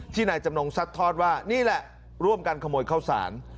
นายจำนงซัดทอดว่านี่แหละร่วมกันขโมยข้าวสาร